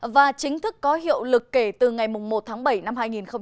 và chính thức có hiệu lực kể từ ngày một tháng bảy năm hai nghìn hai mươi